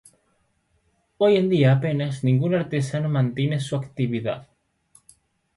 Hoy en día apenas ningún artesano mantiene su actividad.